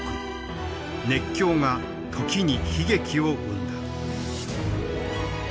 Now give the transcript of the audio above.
熱狂が時に悲劇を生んだ。